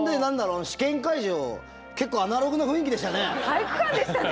試験会場結構アナログの雰囲気でしたね。